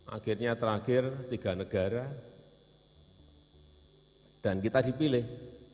akhirnya terakhir tiga negara dan kita dipilih